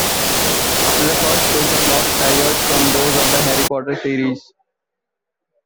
After the first book, the plots diverge from those of the Harry Potter series.